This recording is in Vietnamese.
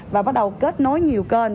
và bắt đầu kết nối nhiều kênh